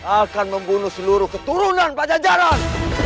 akan membunuh seluruh keturunan pajajaran